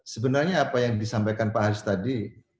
sebenarnya apa yang disampaikan pak haris tadi